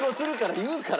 言うから。